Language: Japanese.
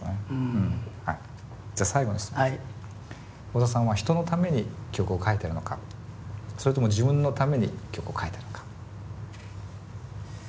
小田さんは人のために曲を書いてるのかそれとも自分のために曲を書いてるのか。